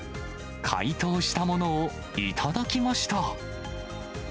解凍したものを頂きました。